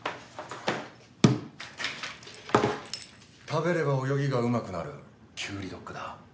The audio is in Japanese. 食べれば泳ぎがうまくなるきゅうりドッグだ。